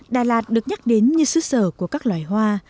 đà lạt được nhắc đến như xứ sở của các loài hoa